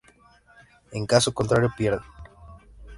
En caso contrario, pierde.